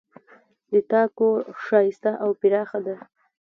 د تا کور ښایسته او پراخ ده